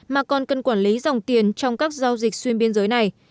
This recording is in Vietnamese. mà còn cần quản lý dòng tiền trong các giao dịch xuyên biên giới này